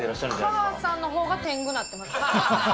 お母さんのほうが天狗になってます。